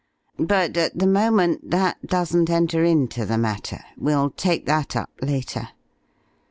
But at the moment that doesn't enter into the matter. We'll take that up later.